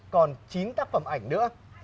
còn chín tác phẩm ảnh nữa